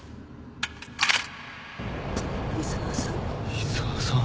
井沢さん。